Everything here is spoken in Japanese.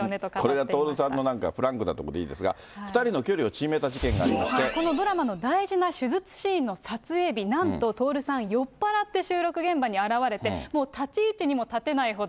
これが徹さんのフランクなところでいいですが、２人の距離をこのドラマの大事な手術シーンの撮影日、なんと徹さん、酔っ払って収録現場に現れて、もう立ち位置にも立てないほど。